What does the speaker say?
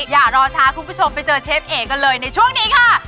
อย่ารอช้าคุณผู้ชมไปเจอเชฟเอกกันเลยในช่วงนี้ค่ะ